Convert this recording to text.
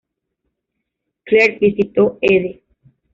Clarke visitó Ede.